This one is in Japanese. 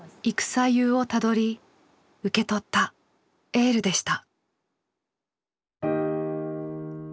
戦世をたどり受け取ったエールでした。